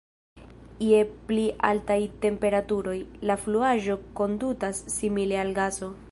Je pli altaj temperaturoj, la fluaĵo kondutas simile al gaso.